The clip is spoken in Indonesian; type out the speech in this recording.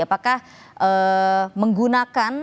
apakah menggunakan aplikasi yang lain